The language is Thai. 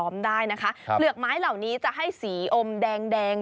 อ๋อแบบนี้มีเอง